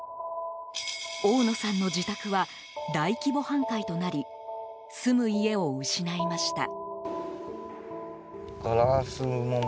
大野さんの自宅は大規模半壊となり住む家を失いました。